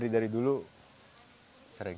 dari dulu sering